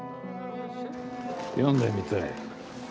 読んでみたい。